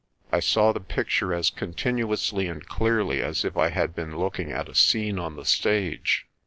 I saw the picture as continuously and clearly as if I had been looking at a scene on the stage.